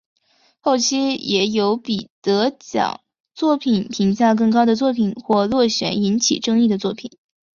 后期也有比得奖作品评价更高的作品或落选引起争议的作品。